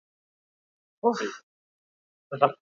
Eraikinak Joan Alabaren aztarnak erakusten ditu.